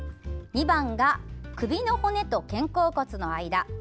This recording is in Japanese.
２番が首の骨と肩甲骨の間。